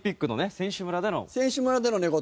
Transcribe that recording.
選手村での寝言。